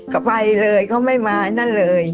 ก็ไปเลยเขาไม่มานั่นเลย